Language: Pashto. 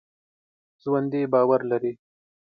ژوندي باور لري